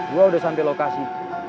gue udah sampe lokasi